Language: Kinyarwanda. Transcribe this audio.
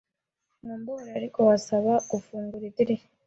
Mumbabarire, ariko wasaba gufungura idirishya?